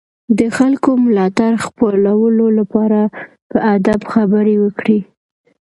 د خلکو ملاتړ خپلولو لپاره په ادب خبرې وکړئ.